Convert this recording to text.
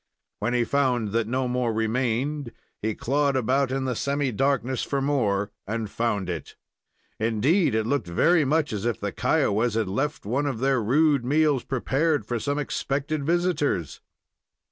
When he found that no more remained, he clawed about in the semi darkness for more and found it. Indeed, it looked very much as if the Kiowas had left one of their rude meals prepared for some expected visitors.